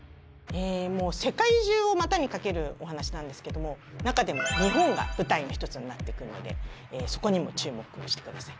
世界中を股にかけるお話なんですけども中でも、日本が舞台の１つになっていくのでそこにも注目してください。